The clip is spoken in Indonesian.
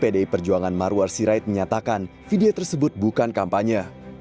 pdi perjuangan marwar sirait menyatakan video tersebut bukan kampanye